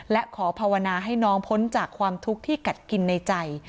และขอภาวนาให้น้องพ้นจากความทุกข์ที่กัดกินในใจ